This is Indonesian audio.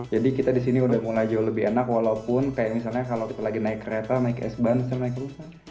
jadi kita di sini sudah mulai jauh lebih enak walaupun kayak misalnya kalau lagi naik kereta naik s bahn misalnya naik perusahaan